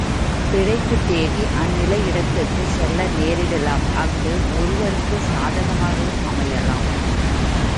பிழைப்புத் தேடி அந்நிய இடத்துக்கும் செல்ல நேரிடலாம் அஃது ஒருவருக்குச் சாதகமாகவும் அமையலாம்.